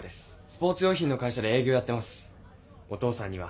スポーツ用品の会社で営業やってます。